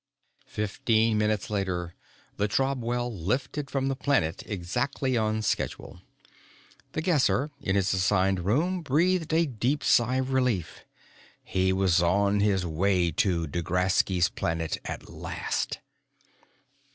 Fifteen minutes later, the Trobwell lifted from the planet exactly on schedule. The Guesser, in his assigned room, breathed a deep sigh of relief. He was on his way to D'Graski's Planet at last!